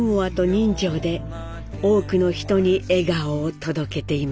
人情で多くの人に笑顔を届けています。